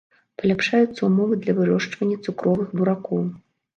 Паляпшаюцца ўмовы для вырошчвання цукровых буракоў.